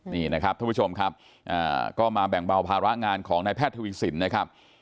นี่นะครับท่านผู้ชมครับก็มาแบ่งเบาภาระงานของนายแพทย์ทวีสินนะครับ